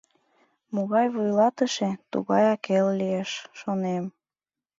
— Могай вуйлатыше — тугаяк эл лиеш, шонем.